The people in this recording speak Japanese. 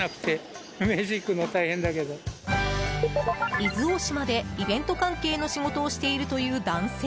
伊豆大島でイベント関係の仕事をしているという男性。